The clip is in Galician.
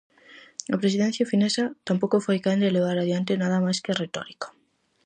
A presidencia finesa, tampouco foi quen de levar adiante nada máis que a retórica.